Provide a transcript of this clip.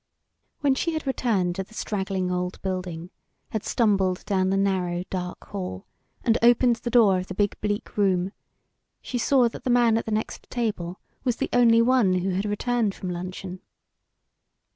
When she had returned to the straggling old building, had stumbled down the narrow, dark hall and opened the door of the big bleak room, she saw that the man at the next table was the only one who had returned from luncheon.